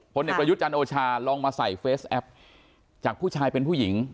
เด็กประยุทธ์จันโอชาลองมาใส่เฟสแอปจากผู้ชายเป็นผู้หญิง